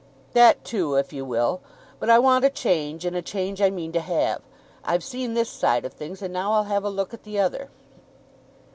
"That too, if you will. But I want a change, and a change I mean to have. I've seen this side of things, and now I'll have a look at the other."